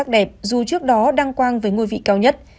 đẹp dù trước đó đăng quang với ngôi vị cao nhất